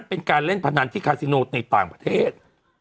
เพราะฉะนั้นเป็นการเล่นพนันที่คาซิโนในต่างประเทศ